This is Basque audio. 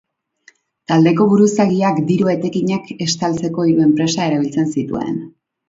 Taldeko buruzagiak diru etekinak estaltzeko hiru enpresa erabiltzen zituen.